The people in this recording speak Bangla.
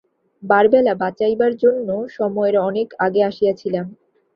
বারবেলা বাঁচাইবার জন্য সময়ের অনেক আগে আসিয়াছিলাম।